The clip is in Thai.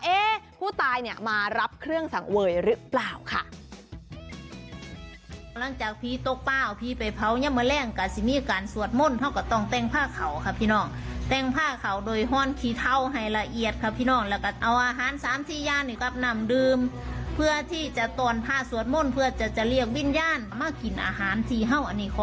เอ๊ผู้ตายมารับเครื่องสังเวยหรือเปล่าค่ะ